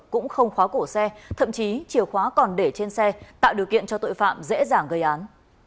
cũng không khóa cổ xe thậm chí chìa khóa còn để trên xe tạo điều kiện cho tội phạm dễ dàng gây án